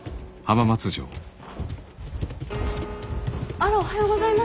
あらおはようございます。